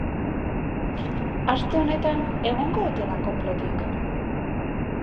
Aste honetan, egongo ote da konplotik?